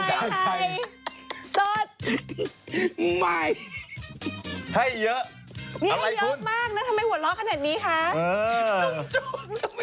สวัสดีค่ะ